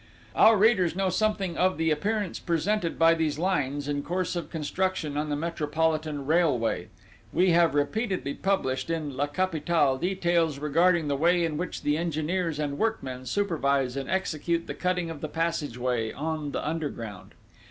"Our readers know something of the appearance presented by these lines, in course of construction on the Metropolitan railway. We have repeatedly published in La Capitale details regarding the way in which the engineers and workmen supervise and execute the cutting of the passageway on the underground.